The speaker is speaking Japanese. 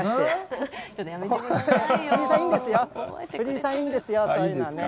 藤井さん、いいんですよ、そういうのはね。